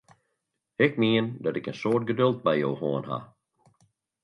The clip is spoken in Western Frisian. Ik mien dat ik in soad geduld mei jo hân ha!